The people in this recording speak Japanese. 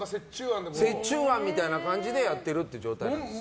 折衷案みたいな感じでやってる状態です。